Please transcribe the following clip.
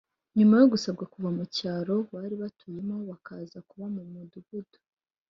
nyuma yo gusabwa kuva mu cyaro bari batuyemo bakaza kuba mu mudugudu